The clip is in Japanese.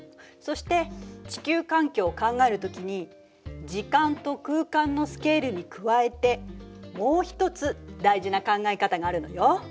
そして地球環境を考える時に時間と空間のスケールに加えてもう一つ大事な考え方があるのよ。